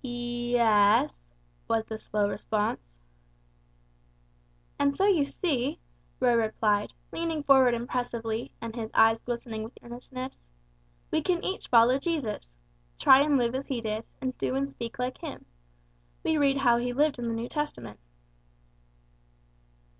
"Ye es," was the slow response. "And so you see," Roy replied, leaning forward impressively, and his eyes glistening with earnestness, "we can each follow Jesus. Try and live as He did, and do and speak like Him. We read how He lived in the New Testament."